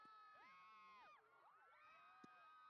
د منځنۍ اسیا بازارونه نږدې دي